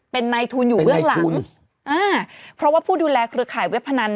เป็นในทุนอยู่เบื้องหลังอ่าเพราะว่าผู้ดูแลเครือข่ายเว็บพนัน